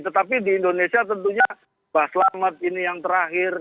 tetapi di indonesia tentunya mbak selamat ini yang terakhir